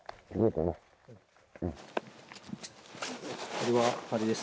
これはあれです。